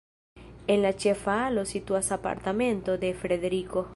En la ĉefa alo situas apartamento de Frederiko.